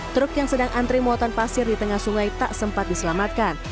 truk yang sedang antri muatan pasir di tengah sungai tak sempat diselamatkan